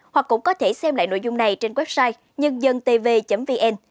hoặc cũng có thể xem lại nội dung này trên website nhândântv vn